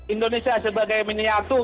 indonesia sebagai miniatur